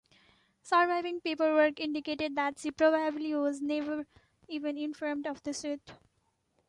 Surviving paperwork indicated that she probably was never even informed of the suit.